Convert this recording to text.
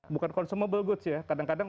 bukan consumable goods ya kadang kadang